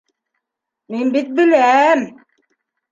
Мин бит беләм!